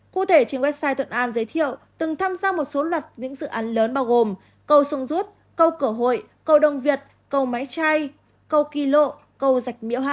cụ thể trên website thuận an giới thiệu từng tham gia một số loạt những dự án lớn bao gồm cầu xuân rút cầu cửa hội cầu đồng việt cầu máy chay cầu kỳ lộ cầu giạch miễu hai